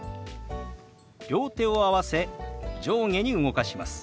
両手を合わせ上下に動かします。